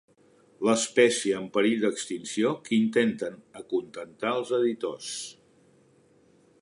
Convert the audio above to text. L'espècie en perill d'extinció que intenten acontentar els editors.